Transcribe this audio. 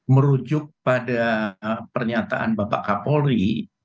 merujuk pada pernyataan bapak kapolri